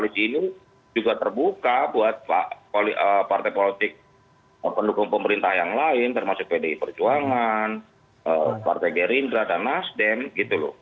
di sini juga terbuka buat partai politik pendukung pemerintah yang lain termasuk pdi perjuangan partai gerindra dan nasdem gitu loh